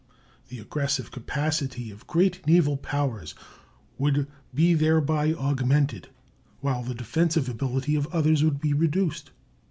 The aggressive capacity of great naval powers would be thereby augmented, while the defensive ability of others would be reduced.